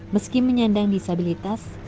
meski menyandang disabilitas